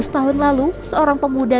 lima ratus tahun lalu seorang pemuda